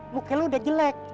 muka lu udah jelek